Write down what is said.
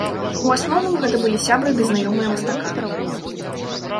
У асноўным, гэта былі сябры ды знаёмыя мастака.